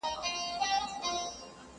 دکندهار یو مشهور تاجر او مخور کس و.